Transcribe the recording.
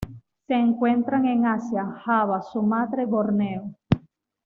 Se encuentran en Asia: Java, Sumatra y Borneo.